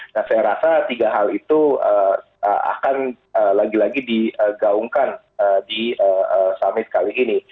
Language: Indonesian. nah saya rasa tiga hal itu akan lagi lagi digaungkan di summit kali ini